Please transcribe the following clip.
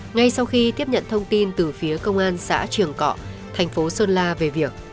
ngay sau khi tiếp nhận thông tin từ phía công an xã trường cọ thành phố sơn la về việc